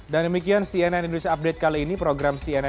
dan demikian cnn indonesia